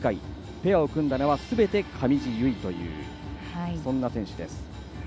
ペアを組んだのはすべて上地結衣というそんな選手です。